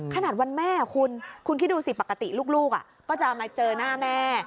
ขนาดวันแม่คุณคุณคิดดูสิปกติลูกก็จะมาเจอหน้าแม่